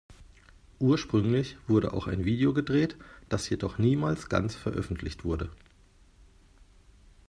Ursprünglich wurde auch ein Video gedreht, das jedoch niemals ganz veröffentlicht wurde.